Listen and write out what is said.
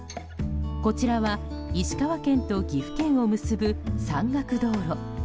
こちらは石川県と岐阜県を結ぶ山岳道路